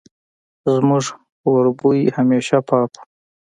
زموږ وربوی همېشه پاک وو